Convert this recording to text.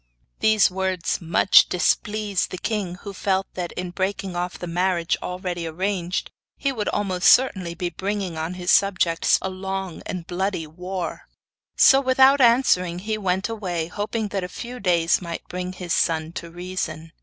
These words much displeased the king, who felt that, in breaking off the marriage already arranged he would almost certainly be bringing on his subjects a long and bloody war; so, without answering, he turned away, hoping that a few days might bring his son to reason.